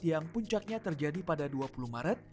yang puncaknya terjadi pada dua puluh maret